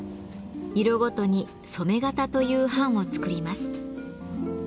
色ごとに染め型という版を作ります。